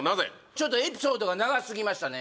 ちょっとエピソードが長すぎましたね